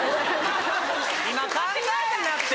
今考えんなって！